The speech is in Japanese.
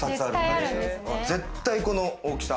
絶対この大きさ。